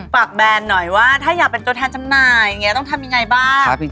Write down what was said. แบรนด์หน่อยว่าถ้าอยากเป็นตัวแทนจำหน่ายอย่างนี้ต้องทำยังไงบ้าง